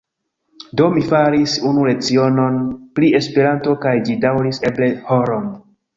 Do, mi faris unu lecionon pri Esperanto, kaj ĝi daŭris eble horon.